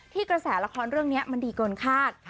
ที่กระแสละครเรื่องเนี่ยมันดีกว่าคาด